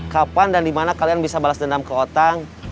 kapan dan dimana kalian bisa balas dendam ke otak